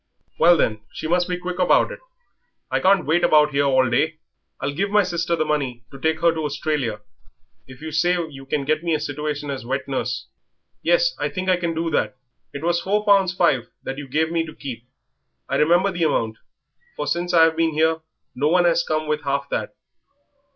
"Well, then, she must be quick about it I can't wait about here all day." "I'll give my sister the money to take her to Australia if you say you can get me a situation as wet nurse." "Yes, I think I can do that. It was four pounds five that you gave me to keep. I remember the amount, for since I've been here no one has come with half that.